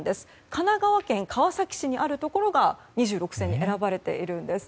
神奈川県川崎市にあるところが２６選に選ばれているんです。